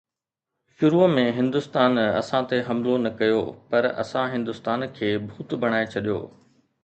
شروع ۾ هندستان اسان تي حملو نه ڪيو پر اسان هندستان کي ڀوت بڻائي ڇڏيو.